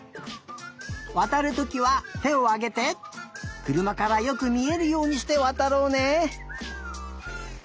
わたるときはてをあげてくるまからよくみえるようにしてわたろうね。